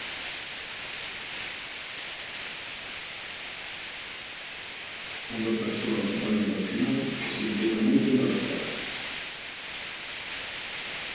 É unha persoa moi emocional que se implica moito no que toca.